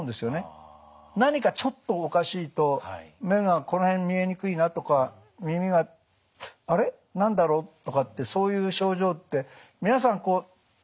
何かちょっとおかしいと目がこの辺見えにくいなとか耳があれ何だろうとかってそういう症状って皆さんこう一日に１回とかね